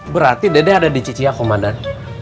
berarti dede ada di ciciak komandan